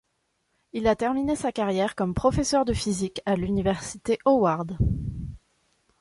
Il a terminé sa carrière comme professeur de physique à l'université Howard.